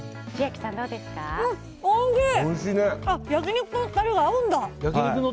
焼き肉のタレが合うんだ。